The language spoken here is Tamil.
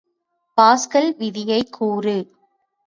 பாஸ்கல் விதியைக் கூறு.